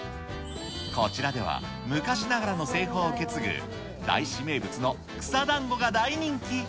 こちらでは、昔ながらの製法を受け継ぐ、大師名物の草だんごが大人気。